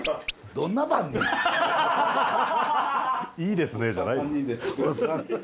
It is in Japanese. いいですねじゃないよ。